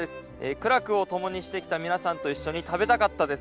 苦楽をともにしてきたみなさんと一緒に食べたかったです。